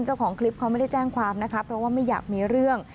เจ้าของคลิปเขาไม่ได้แจ้งความนะคะเพราะว่าไม่อยากมีเรื่อง